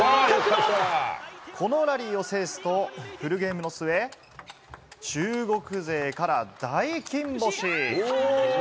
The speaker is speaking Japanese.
このラリーを制すと、フルゲームの末、中国勢から大金星。